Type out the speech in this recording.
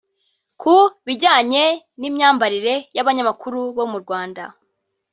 Ku bijyanye n’imyambarire y’abanyamakru bo mu Rwanda